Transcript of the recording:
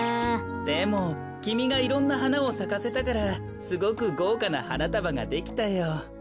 でもきみがいろんなはなをさかせたからすごくごうかなはなたばができたよ。